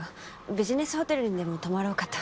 ビジネスホテルにでも泊まろうかと。